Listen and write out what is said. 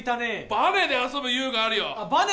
バネで遊ぶ遊具があるよ。